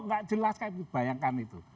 enggak jelas kayak dibayangkan itu